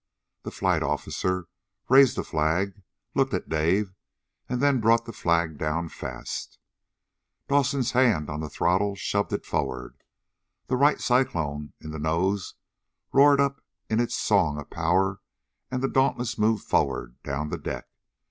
The flight officer raised the flag, looked at Dave, and then brought the flag down fast. Dawson's hand on the throttle shoved it forward. The Wright Cyclone in the nose roared up in its song of power and the Dauntless moved forward down the deck.